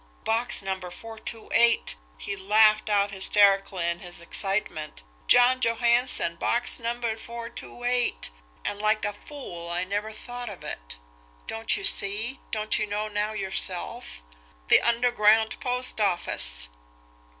"Box number four two eight!" He laughed out hysterically in his excitement. "John Johansson box number four two eight! And like a fool I never thought of it! Don't you see? Don't you know now yourself? THE UNDERGROUND POST OFFICE!"